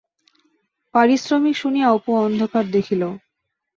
পারিশ্রমিক শুনিয়া অপু অন্ধকার দেখিল।